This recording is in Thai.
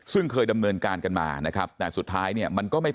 ซึ่งเคยดำเนินการกันมานะครับแต่สุดท้ายเนี่ยมันก็ไม่